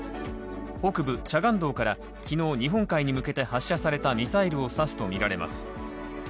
北部チャガン道から昨日、日本海に向けて発射されたミサイルを指すとみられます。